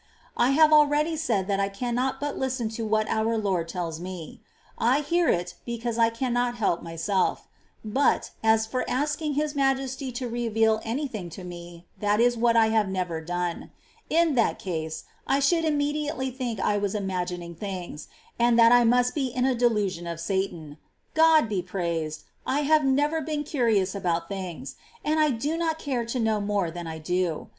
I have already said that I cannot but listen to what our Lord tells me ; I hear it because I cannot help myself ; but, as for asking His Majesty to reveal any thing to me, that is what I have never done. In that case, I should immediately think I was imagining things and that I must be in a delusion of Satan. God be praised, I have never been curious about things, and I do not care to know more than I do.